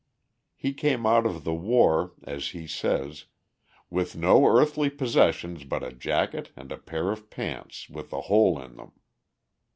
He came out of the war, as he says, "with no earthly possessions but a jacket and a pair of pants, with a hole in them."